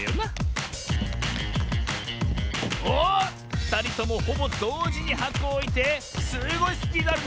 ふたりともほぼどうじにはこをおいてすごいスピードあるね！